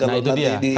nah itu dia